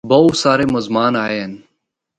بہوں سارے مزمان آئے ہن۔